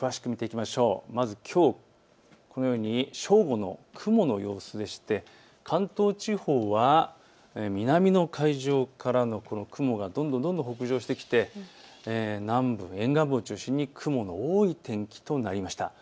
まずきょう正午の雲の様子でして関東地方は南の海上からの雲がどんどん北上してきて南部、沿岸部を中心に雲の多い天気となりました。